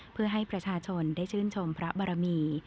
เพื่อให้ประชาชนได้ชื่นชมพระบารมี